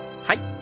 はい。